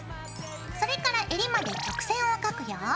それからえりまで曲線を描くよ。